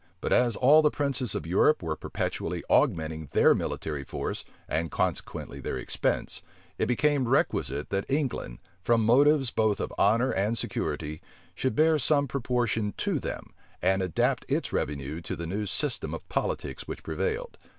But as all the princes of Europe were perpetually augmenting their military force, and consequently their expense, it became requisite that England, from motives both of honor and security, should bear some proportion to them, and adapt its revenue to the new system of politics which prevailed.